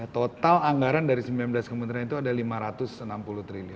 total anggaran dari sembilan belas kementerian itu ada rp lima ratus enam puluh triliun